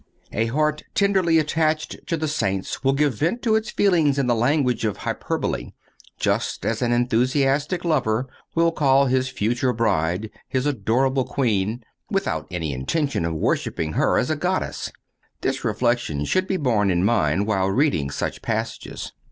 A heart tenderly attached to the Saints will give vent to its feelings in the language of hyperbole, just as an enthusiastic lover will call his future bride his adorable queen, without any intention of worshiping her as a goddess. This reflection should be borne in mind while reading such passages.